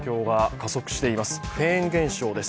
加速しています、フェーン現象です。